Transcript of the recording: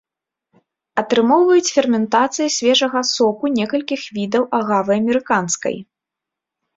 Атрымоўваюць ферментацыяй свежага соку некалькіх відаў агавы амерыканскай.